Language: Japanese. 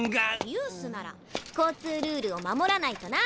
ユースなら交通ルールを守らないとな。